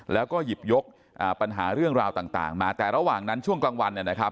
แล้วก็หยิบยกปัญหาเรื่องราวต่างมาแต่ระหว่างนั้นช่วงกลางวันเนี่ยนะครับ